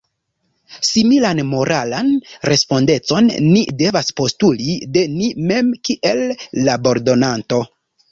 Similan moralan respondecon ni devas postuli de ni mem kiel labordonanto.